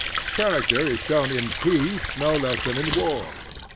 ! Character is shown in peace no less than in war.